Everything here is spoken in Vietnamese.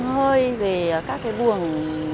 hơi về các cái buồng